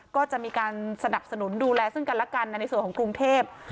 ก็จะมีการสนับสนุนดูแลซึ่งกันแล้วกันในส่วนของกรุงเทพ